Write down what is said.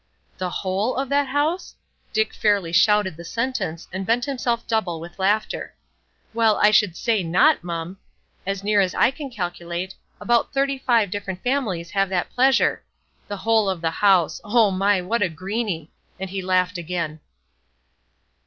"The whole of that house?" Dick fairly shouted the sentence, and bent himself double with laughter. "Well, I should say not, mum! As near as I can calculate, about thirty five different families have that pleasure. The whole of the house! Oh, my! What a greeny!" And he laughed again.